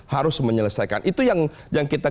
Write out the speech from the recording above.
harus menyelesaikan itu yang kita